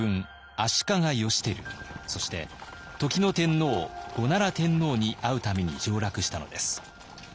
足利義輝そして時の天皇後奈良天皇に会うために上洛したのです。